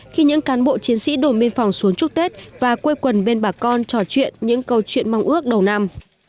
khi những cán bộ chiến sĩ đồn biên phòng xuống chúc tết và quây quần bên bà con trò chuyện những câu chuyện mong ước đầu năm